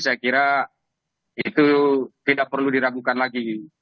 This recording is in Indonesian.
saya kira itu tidak perlu diragukan lagi